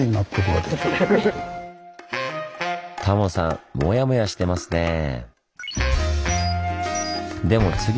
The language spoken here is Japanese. タモさんモヤモヤしてますね。